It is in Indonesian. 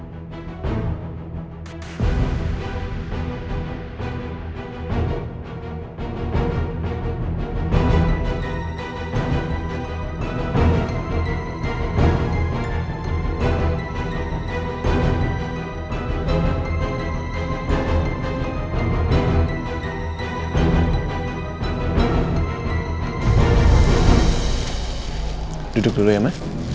minum dulu ya ma